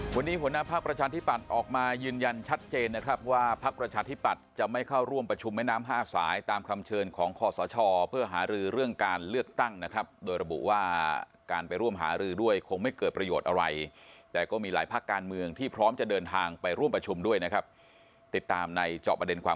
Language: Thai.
วันนี้หัวหน้าพักประชาธิปัตย์ออกมายืนยันชัดเจนนะครับว่าพักประชาธิปัตย์จะไม่เข้าร่วมประชุมแม่น้ำห้าสายตามคำเชิญของคอสชเพื่อหารือเรื่องการเลือกตั้งนะครับโดยระบุว่าการไปร่วมหารือด้วยคงไม่เกิดประโยชน์อะไรแต่ก็มีหลายภาคการเมืองที่พร้อมจะเดินทางไปร่วมประชุมด้วยนะครับติดตามในเจาะประเด็นความ